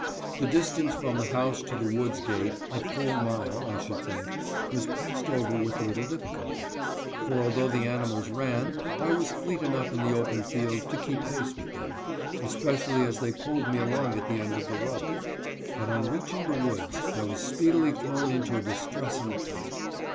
The distance from the house to the wood's gate — a full mile, I should think — was passed over with little difficulty: for, although the animals ran, I was fleet enough in the open field to keep pace with them, especially as they pulled me along at the end of the rope ; but on "reaching the woods, I was speedily thrown into a distress ing plight.